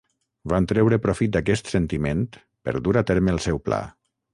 Van treure profit d'aquest sentiment per dur a terme el seu pla.